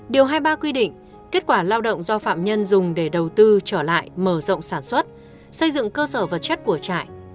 điều hai mươi ba quy định kết quả lao động do phạm nhân dùng để đầu tư trở lại mở rộng sản xuất xây dựng cơ sở vật chất của trại